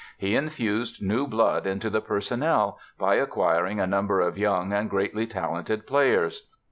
He infused new blood into the personnel, by acquiring a number of young and greatly talented players.